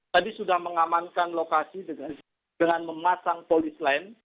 tadi sudah mengamankan lokasi dengan memasang polis lain